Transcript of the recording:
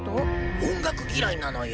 音楽嫌いなのよ。